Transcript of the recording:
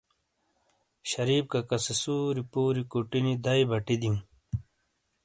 شریف ککا سے سُوری پُوری کُٹی نی دَئیی بَٹی دِیو ں۔